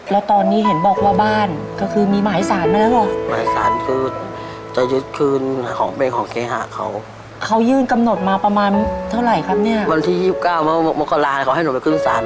แล้วตอนนี้เห็นบอกว่าบ้านก็คือมีหมายสารนะคะ